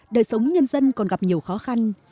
đời sống nhân dân còn gặp nhiều khó khăn